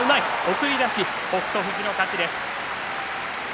送り出し、北勝富士の勝ちです。